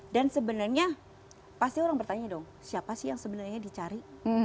dan sebenarnya pasti orang bertanya dong siapa sih yang sebenarnya dicari